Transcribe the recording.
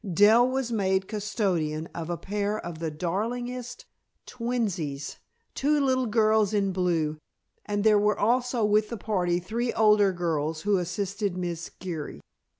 Dell was made custodian of a pair of the "darlingest twinnies," two little girls in blue, and there were also with the party three older girls who assisted Miss Geary.